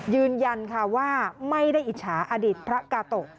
ยืนยันค่ะว่าไม่ได้อิจฉาอดีตพระกาโตะ